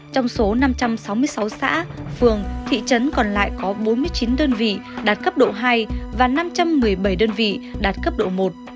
trong số năm trăm sáu mươi sáu xã phường thị trấn còn lại có bốn mươi chín đơn vị đạt cấp độ hai và năm trăm một mươi bảy đơn vị đạt cấp độ một